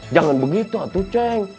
jangan begitu atuh ceng